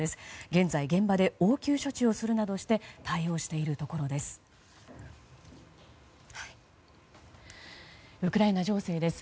現在、現場で応急処置をするなどして対応しているところです。